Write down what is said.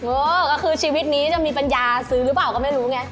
เออก็คือชีวิตนี้จะมีปัญญาซื้อหรือเปล่าก็ไม่รู้ไง